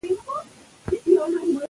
انګور د افغان ښځو په ژوند کې یو رول لري.